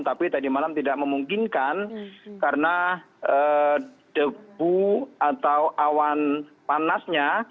tapi tadi malam tidak memungkinkan karena debu atau awan panasnya